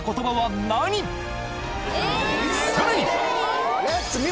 さらに！